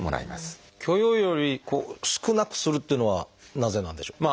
許容量より少なくするっていうのはなぜなんでしょう？